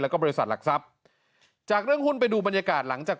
แล้วก็บริษัทหลักทรัพย์จากเรื่องหุ้นไปดูบรรยากาศหลังจาก